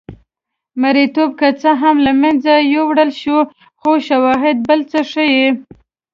مریتوب که څه هم له منځه یووړل شو خو شواهد بل څه ښيي.